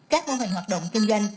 các quan hệ hoạt động kinh doanh